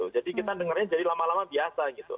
jadi kita dengarnya jadi lama lama biasa